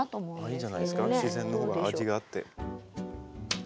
いいんじゃないですか自然の味があって。